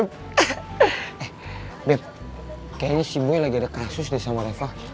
eh beb kayanya si boy lagi ada kasus deh sama reva